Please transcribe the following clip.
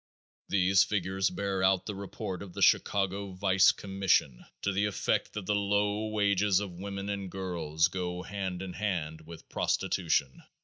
These figures bear out the report of the Chicago vice commission to the effect that the low wages of women and girls go hand in hand with prostitution.